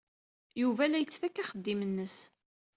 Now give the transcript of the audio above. Yuba la yettfaka axeddim-nnes.